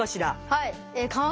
はい。